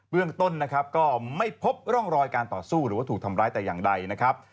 เรื่องต้นนะครับก็ไม่พบร่องรอยการต่อสู้หรือว่าถูกทำร้ายแต่อย่างใดนะครับ